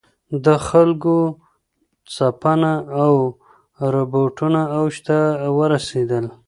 د خلکو ځپنه او ربړونه اوج ته ورسېدل.